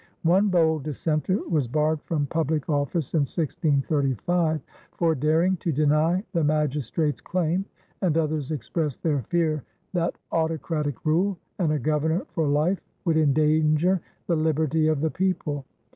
One bold dissenter was barred from public office in 1635 for daring to deny the magistrates' claim, and others expressed their fear that autocratic rule and a governor for life would endanger the liberty of the people.